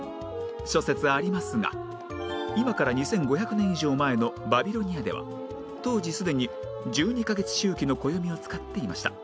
諸説ありますが今から２５００年以上前のバビロニアでは当時すでに１２カ月周期の暦を使っていました